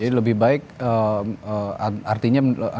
jadi lebih baik artinya menurut anda lebih baik pengadilan pendidikan